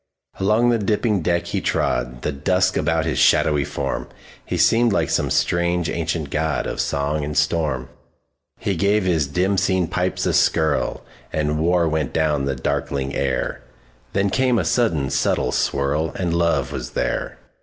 Along the dipping deck he trod, The dusk about his shadowy form; He seemed like some strange ancient godOf song and storm. He gave his dim seen pipes a skirlAnd war went down the darkling air; Then came a sudden subtle swirl, And love was there.